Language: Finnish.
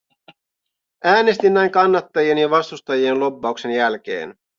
Äänestin näin kannattajien ja vastustajien lobbauksen jälkeen.